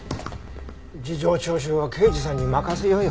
事情聴取は刑事さんに任せようよ。